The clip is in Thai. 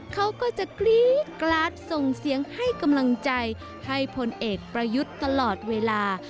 เขาก็จะกรี๊ดกราดส่งเสียงให้กำลังใจให้พลเอกประยุทธ์ตลอดเวลา